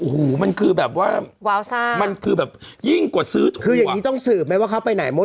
โอ้โหมันคือแบบว่าว้าวซ่ามันคือแบบยิ่งกว่าซื้อถูกคืออย่างนี้ต้องสืบไหมว่าเขาไปไหนมด